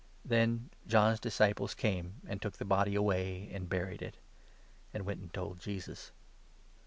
Then John's disciples came, and took the body away, and buried it ; and went and told Jesus.